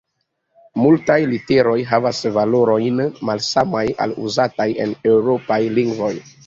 Multaj literoj havas valorojn malsamaj al uzataj en eŭropaj lingvoj.